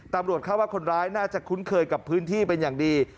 ตำรวจเข้าว่าคนร้ายน่าจะคุ้นเคยกับพื้นที่เป็นอย่างดี